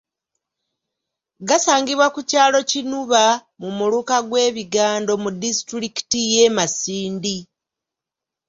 Gasangibwa ku kyalo Kinuba mu muluka gw’e Bigando mu disitulikiti y’e Masindi.